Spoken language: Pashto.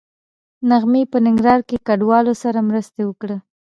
نغمې په ننګرهار کې کډوالو سره مرستې وکړې